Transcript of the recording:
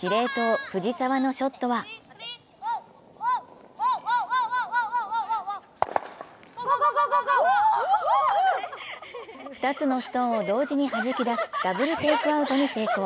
司令塔・藤澤のショットは２つのストーンを同時にはじき出すダブルテイクアウトに成功。